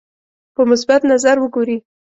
په مثبت نظر وګوري.